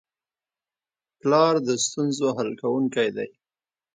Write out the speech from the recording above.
پلار د ستونزو حل کوونکی دی.